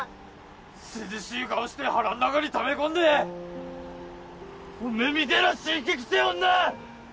涼しい顔して腹ん中にためこんでおめみてえな辛気臭え女